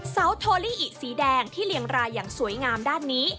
เสาทอลิอิสีแดงที่เรียงรายอย่างสวยงามด้านนี้